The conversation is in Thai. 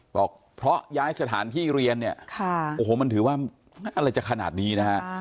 บอกเพราะย้ายสถานที่เรียนเนี่ยโอ้โหมันถือว่าอะไรจะขนาดนี้นะฮะ